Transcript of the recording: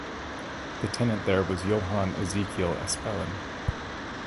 The tenant there was Johan Ezekiel Aspelin.